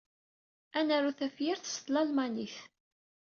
Ad naru tafyirt s tlalmanit.